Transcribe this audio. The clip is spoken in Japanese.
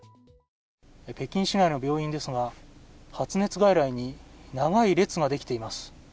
北京市内の病院ですが発熱外来に長い列ができています。